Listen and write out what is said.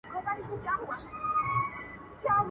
د جهاني دغه غزل دي له نامه ښکلې ده.